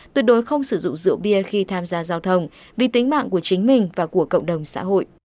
tuyệt đối không sử dụng rượu bia khi tham gia giao thông vì tính mạng của chính mình và của cộng đồng xã hội